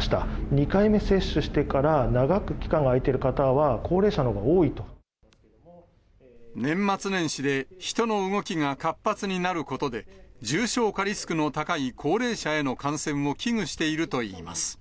２回目接種してから長く期間があいてる方は、高齢者のほうが多い年末年始で人の動きが活発になることで、重症化リスクの高い高齢者への感染を危惧しているといいます。